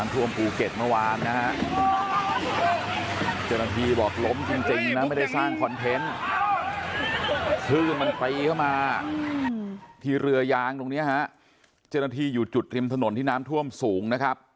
ที่เรือยางตรงนี้ว่าเจสนาที่อยู่จุดริมถนนที่น้ำท่วมสูงนะครับ